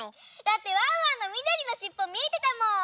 だってワンワンのみどりのしっぽみえてたもん。